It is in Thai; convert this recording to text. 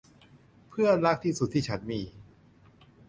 เพื่อนรักที่สุดที่ฉันมี